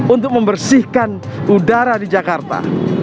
untuk membersihkan udara di jakarta